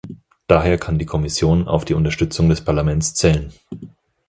Daher kann die Kommission auf die Unterstützung des Parlaments zählen.